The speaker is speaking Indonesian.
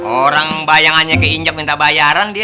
orang bayangannya keinjak minta bayaran dia